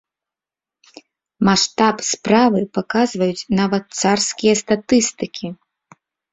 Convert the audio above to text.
Маштаб справы паказваюць нават царскія статыстыкі.